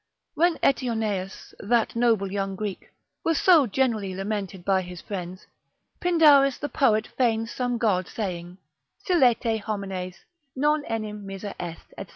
When Eteoneus, that noble young Greek, was so generally lamented by his friends, Pindarus the poet feigns some god saying, Silete homines, non enim miser est, &c.